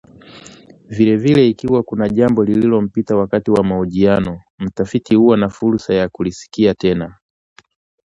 Vilevile ikiwa kuna jambo lililompita wakati wa mahojiano mtafiti huwa na fursa ya kulisikia tena